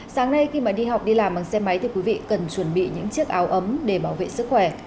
sáng nay khi mà đi học đi làm bằng xe máy thì quý vị cần chuẩn bị những chiếc áo ấm để bảo vệ sức khỏe